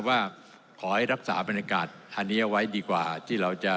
ว่าขอให้รักษาบรรยากาศอันนี้เอาไว้ดีกว่าที่เราจะ